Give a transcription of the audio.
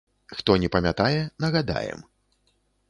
Хто не памятае, нагадаем.